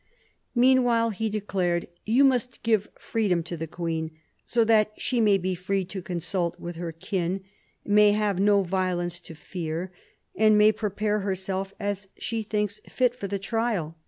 "Meanwhile," he declared, "you must give freedom to the queen, so that she may be free to consult with her kin, may have no violence to fear, and may prepare herself as she thinks fit for the trial."